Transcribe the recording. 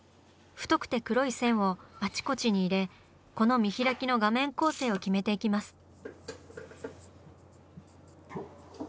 太くて黒い線をあちこちに入れこの見開きの画面構成を決めていきます。